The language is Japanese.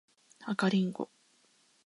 赤リンゴ